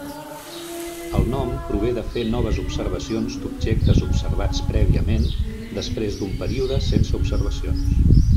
El nom prové de fer noves observacions d'objectes observats prèviament després d'un període sense observacions.